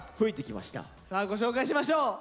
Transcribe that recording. さあご紹介しましょう。